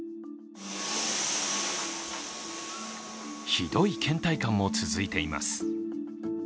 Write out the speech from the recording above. ひどいけん怠感も続いています。